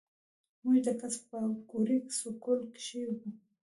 مونږ د کس پاګوړۍ سکول کښې وو